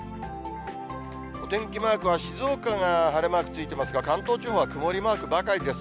お天気マークは静岡が晴れマークついてますが、関東地方は曇りマークばかりです。